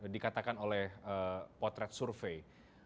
dikatakan oleh potret survei